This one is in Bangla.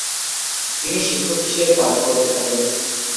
তিনি শিক্ষক হিসেবে কাজ করতে থাকেন।